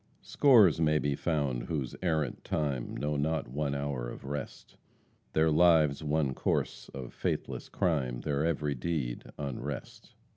"Scores may be found whose errant time Know not one hour of rest; Their lives one course of faithless crime, Their every deed unrest."